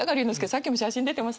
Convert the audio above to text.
さっきも写真出てましたけど